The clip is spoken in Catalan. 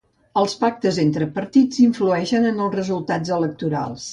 Els pactes entre partits influeixen en els resultats electorals.